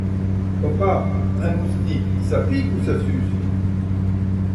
Papa, un moustique ça pique ou ça suce?